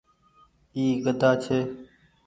اي گھدآ ڇي۔